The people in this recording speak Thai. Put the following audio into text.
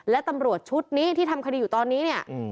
และตำรวจชุดนี้ที่ทำคดีอยู่ตอนนี้เนี่ย